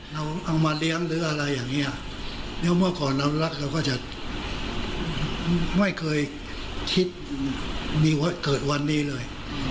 เอามาเลี้ยงหรืออะไรอย่างนี้แล้วเมื่อก่อนเรารักเราก็จะไม่เคยคิดมีเกิดวันนี้เลย